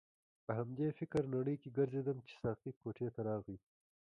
په همدې فکرې نړۍ کې ګرځیدم چې ساقي کوټې ته راغی.